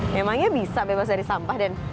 memangnya bisa bebas dari sampah